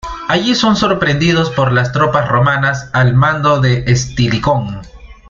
Allí son sorprendidos por las tropas romanas al mando de Estilicón.